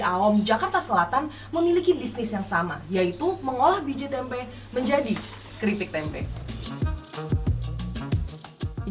awam jakarta selatan memiliki bisnis yang sama yaitu mengolah biji tempe menjadi keripik tempe